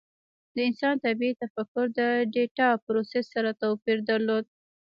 د انسان طبیعي تفکر د ډیټا پروسس سره توپیر درلود.